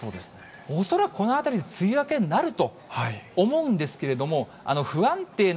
恐らくこの辺り、梅雨明けになると思うんですけれども、不安定な